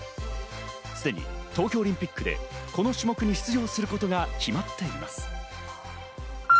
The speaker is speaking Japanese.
すでに東京オリンピックでこの種目に出場することが決まっています。